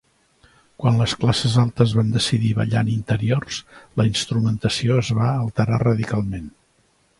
Quan les classes altes van decidir ballar en interiors la instrumentació es va alterar radicalment.